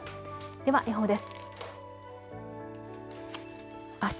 では予報です。